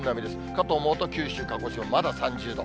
かと思うと九州、鹿児島、まだ３０度。